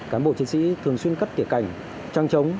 cán bộ chiến sĩ thường xuyên cắt kẻ cảnh trang trống